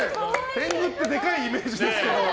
天狗ってでかいイメージですけど。